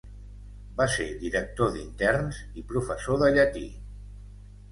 Va ser director d'interns i professor de llatí.